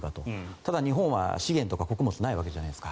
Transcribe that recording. ただ、日本は資源とか穀物はないわけじゃないですか。